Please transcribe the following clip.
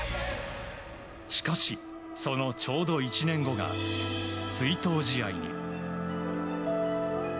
しかし、そのちょうど１年後が追悼試合に。